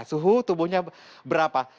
suhu tubuhnya berapa